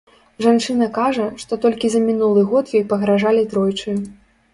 Жанчына кажа, што толькі за мінулы год ёй пагражалі тройчы.